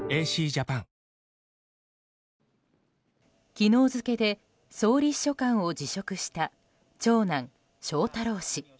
昨日付で総理秘書官を辞職した長男・翔太郎氏。